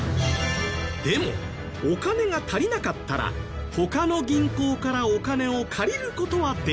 でもお金が足りなかったら他の銀行からお金を借りる事はできないの？